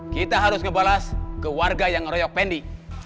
kita harus ngebalas ke warga yang ngeroyok fendi